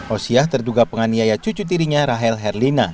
osiah terduga penganiaya cucu tirinya rahel herlina